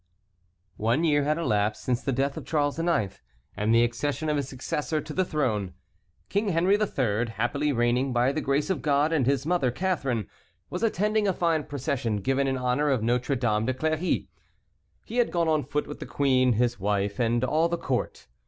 One year had elapsed since the death of Charles IX. and the accession of his successor to the throne. King Henry III., happily reigning by the grace of God and his mother Catharine, was attending a fine procession given in honor of Notre Dame de Cléry. He had gone on foot with the queen, his wife, and all the court.